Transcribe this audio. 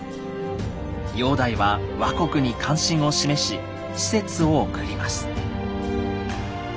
煬帝は倭国に関心を示し使節を送ります。